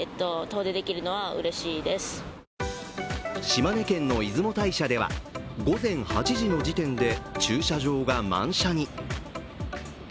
島根県の出雲大社では午前８時の時点で駐車場が満車に。